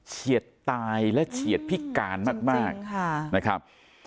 เฉียดตายและเฉียดพิการมากนะครับ